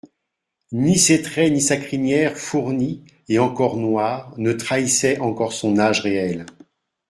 Ni ses traits, ni sa crinière, fournie et encore noire, ne trahissaient encore son âge réel.